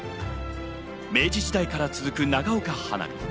明治時代から続く長岡花火。